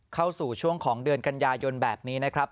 เข้าสู่ช่วงของเดือนกันยายนแบบนี้นะครับ